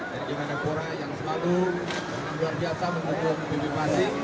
dan jajaran dpr yang selalu luar biasa mendukung bpm fasi